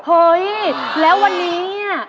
เฮ้ยแล้ววันนี้